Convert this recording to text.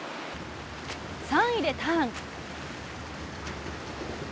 ３位でターン。